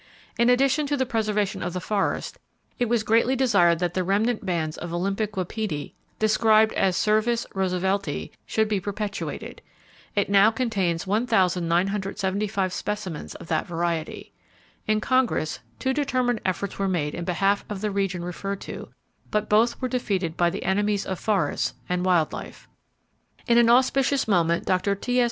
In addition to the preservation of the forests, it was greatly desired that the remnant bands of Olympic wapiti (described as Cervus roosevelti) should be perpetuated. It now contains 1,975 specimens of that variety. In Congress, two determined efforts were made in behalf of the region referred to, but both were defeated by the enemies of forests and wild life. In an auspicious moment, Dr. T.S.